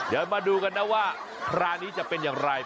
เดี๋ยวมาดูกันนะว่าคราวนี้จะเป็นอย่างไร